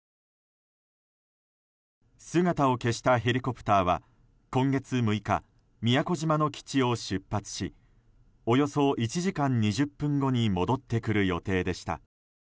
姿を消したヘリコプターは今月６日宮古島の基地を出発しおよそ１時間２０分後に戻ってくる予定でした。